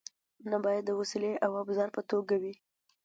نه باید د وسیلې او ابزار په توګه وي.